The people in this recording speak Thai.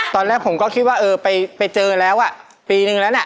ตอนแรกผมก็คิดว่าเออไปเจอแล้วอ่ะปีนึงแล้วน่ะ